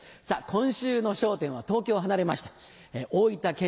今週の『笑点』は東京を離れまして。